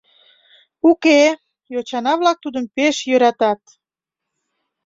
— Уке, йочана-влак тудым пеш йӧратат.